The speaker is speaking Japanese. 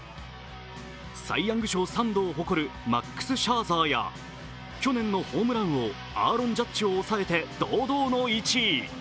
サイ・ヤング賞３度を誇るマックス・シャーザーや去年のホームラン王、アーロン・ジャッジを抑えて堂々の１位。